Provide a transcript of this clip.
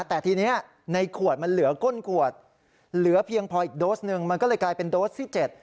แต่ทีนี้ในขวดมันเหลือก้นขวดเหลือเพียงพออีกโดสหนึ่งมันก็เลยกลายเป็นโดสที่๗